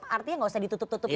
artinya gak usah ditutup tutupin